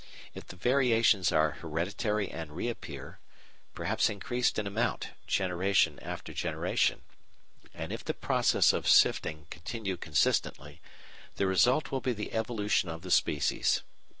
If the variations are hereditary and reappear, perhaps increased in amount, generation after generation, and if the process of sifting continue consistently, the result will be the evolution of the species.